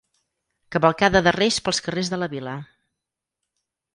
Cavalcada de Reis pels carrers de la vila.